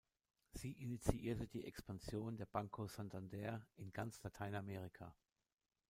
Sie initiierte die Expansion der Banco Santander in ganz Lateinamerika.